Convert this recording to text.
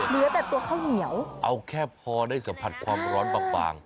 เหลือแต่ตัวข้าวเหนียวเอาแค่พอได้สัมผัสความร้อนบาง